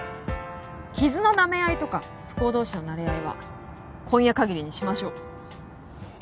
傷のなめ合いとか不幸同士のなれ合いは今夜かぎりにしましょう。